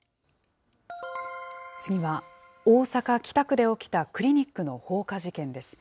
次は、大阪・北区で起きたクリニックの放火事件です。